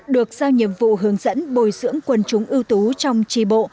được giao nhiệm vụ hướng dẫn bồi dưỡng quân chúng ưu tú trong trì bộ